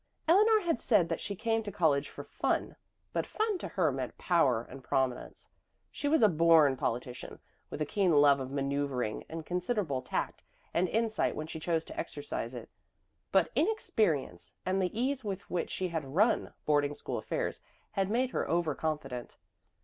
Eleanor had said that she came to college for "fun," but "fun" to her meant power and prominence. She was a born politician, with a keen love of manoeuvring and considerable tact and insight when she chose to exercise it. But inexperience and the ease with which she had "run" boarding school affairs had made her over confident.